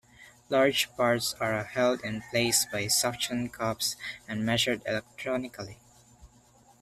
Large parts are held in place by suction cups and measured electronically.